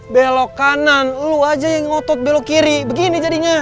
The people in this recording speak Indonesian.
belok kanan lu aja yang ngotot belok kiri begini jadinya